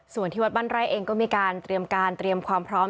ส่วนที่วัดบ้านไร่เองก็มีการเตรียมการเตรียมความพร้อม